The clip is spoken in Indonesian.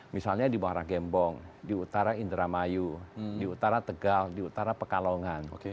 misalnya di muara gembong di utara indramayu di utara tegal di utara pekalongan